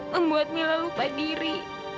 membuat mila lupa diri